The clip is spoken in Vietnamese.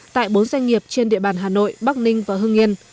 tại bốn doanh nghiệp trên địa bàn hà nội bắc ninh và hưng yên